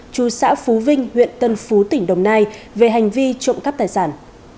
chú xã phú vinh huyện tân phú tỉnh đồng nai về hành vi trộm cắp tài sản